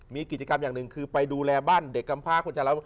มีกิจกรรมอย่างหนึ่งคือไปดูแลบ้านเด็กกำพาคนใจเรา